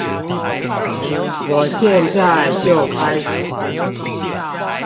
我現在就開始